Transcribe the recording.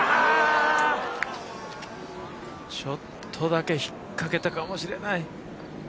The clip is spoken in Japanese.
ちょっとだけ引っかけたかもしれない。